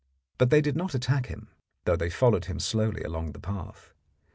But they did not attack him, though they followed him slowly along the path.